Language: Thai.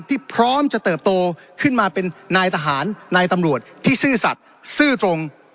พร้อมจะเติบโตขึ้นมาเป็นนายทหารนายตำรวจที่ซื่อสัตว์ซื่อตรง